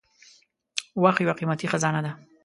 • وخت یو قیمتي خزانه ده.